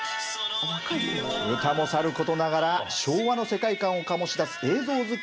歌もさることながら昭和の世界観を醸し出す映像作りも見どころ。